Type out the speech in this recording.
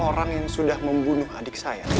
orang yang sudah membunuh adik saya